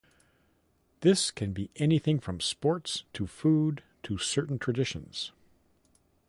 This can be anything from sports to food to certain traditions.